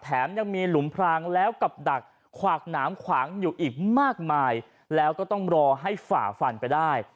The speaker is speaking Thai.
ยังมีหลุมพรางแล้วกับดักขวากหนามขวางอยู่อีกมากมายแล้วก็ต้องรอให้ฝ่าฟันไปได้